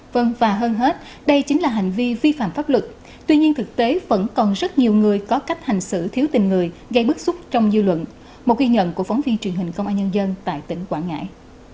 vâng và hơn hết đây chính là hành vi vi phạm pháp luật tuy nhiên thực tế vẫn còn rất nhiều người có cách hành xử thiếu tình người gây bức xúc trong dư luận một ghi nhận của phóng viên truyền hình công an nhân dân tại tỉnh quảng ngãi